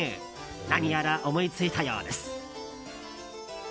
何やら思いついたようです。